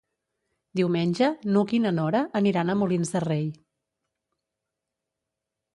Diumenge n'Hug i na Nora aniran a Molins de Rei.